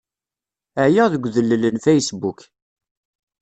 Ɛyiɣ deg udellel n Facebook.